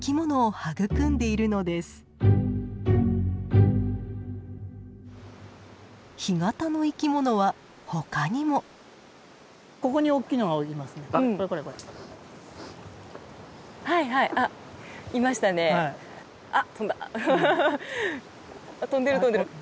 跳んでる跳んでる。